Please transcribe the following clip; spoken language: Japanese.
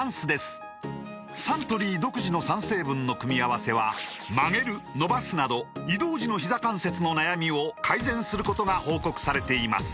サントリー独自の３成分の組み合わせは曲げる伸ばすなど移動時のひざ関節の悩みを改善することが報告されています